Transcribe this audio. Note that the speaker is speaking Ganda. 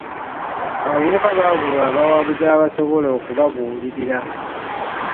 Abavubuka babulwa abawabuzi abasobola okubabuulirira.